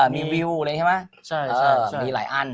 มีวิวเลยใช่ไหมมีหลายอัน